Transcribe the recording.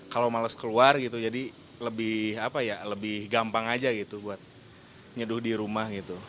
kalau males keluar gitu jadi lebih gampang aja gitu buat nyeduh di rumah gitu